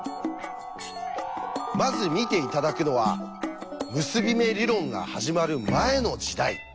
まず見て頂くのは結び目理論が始まる前の時代。